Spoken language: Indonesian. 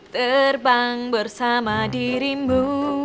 terbang bersama dirimu